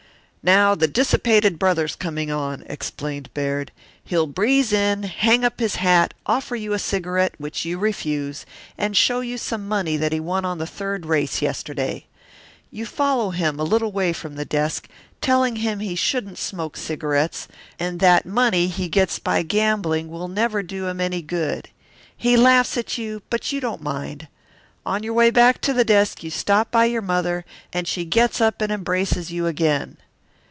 "Now the dissipated brother's coming on," explained Baird. "He'll breeze in, hang up his hat, offer you a cigarette, which you refuse, and show you some money that he won on the third race yesterday. You follow him a little way from the desk, telling him he shouldn't smoke cigarettes, and that money he gets by gambling will never do him any good. He laughs at you, but you don't mind. On your way back to the desk you stop by your mother, and she gets up and embraces you again.